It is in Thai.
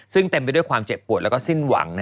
ซึ่งเต็มไปด้วยความเจ็บปวดแล้วก็สิ้นหวัง